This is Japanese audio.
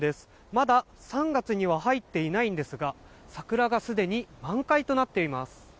まだ３月には入っていないんですが桜がすでに満開となっています。